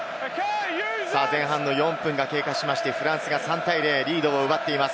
前半４分が経過してフランスが３対０、リードを奪っています。